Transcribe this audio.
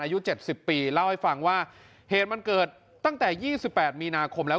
อายุเจ็ดสิบปีเล่าให้ฟังว่าเหตุมันเกิดตั้งแต่ยี่สิบแปดมีนาคมแล้ว